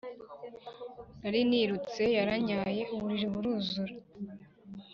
Nari nirutse yaranyaye uburiri buruzura